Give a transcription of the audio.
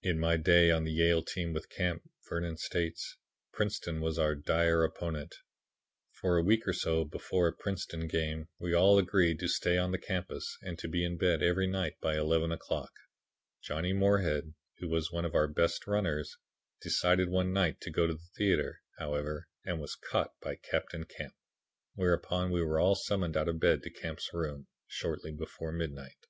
"In my day on the Yale team with Camp," Vernon states, "Princeton was our dire opponent. For a week or so before a Princeton game, we all agreed to stay on the campus and to be in bed every night by eleven o'clock. Johnny Moorhead, who was one of our best runners, decided one night to go to the theatre, however, and was caught by Captain Camp, whereupon we were all summoned out of bed to Camp's room, shortly before midnight.